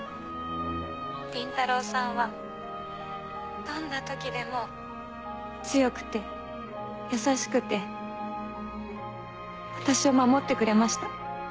倫太郎さんはどんな時でも強くて優しくて私を守ってくれました。